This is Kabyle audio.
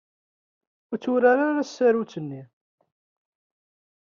Ur tturar s tsarut-nni.